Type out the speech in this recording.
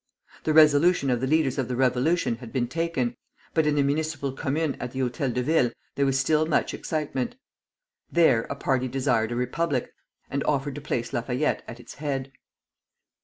The resolution of the leaders of the Revolution had been taken, but in the Municipal Commune at the Hôtel de Ville there was still much excitement. There a party desired a republic, and offered to place Lafayette at its head.